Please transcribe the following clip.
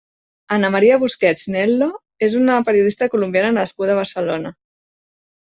Ana María Busquets Nel·lo és una periodista colombiana nascuda a Barcelona.